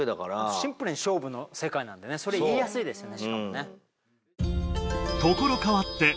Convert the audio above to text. シンプルに勝負の世界なんでそれ言いやすいですよね。